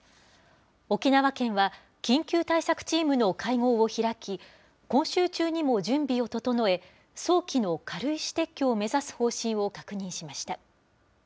沖縄県は緊急対策チームの会合を開き、今週中にも準備を整え、早期の軽石撤去を目指す方針を確認しました。